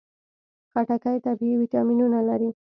خټکی طبیعي ویټامینونه لري.